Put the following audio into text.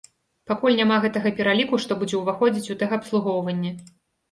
Пакуль няма гэтага пераліку, што будзе ўваходзіць у тэхабслугоўванне.